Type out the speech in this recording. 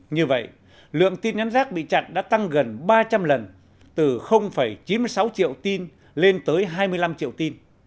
như vậy lượng tin nhắn rác bị chặn đã tăng gần ba trăm linh lần từ chín mươi sáu triệu tin lên tới hai mươi năm triệu tin